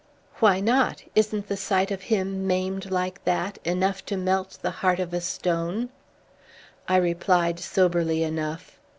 "Why not? Isn't the sight of him maimed like that enough to melt the heart of a stone?" I replied soberly enough.